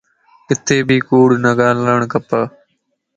ڪڏي بي ڪوڙ نه ڳالھاڙ کپ